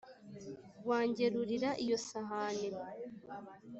Wangerurira iyo sahani,